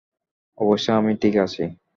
অবশ্যই আমি ঠিক আছি।